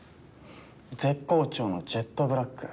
絶好調のジェットブラック